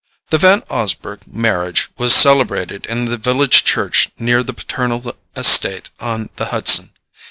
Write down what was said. The Van Osburgh marriage was celebrated in the village church near the paternal estate on the Hudson.